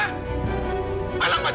anak macam apa kamu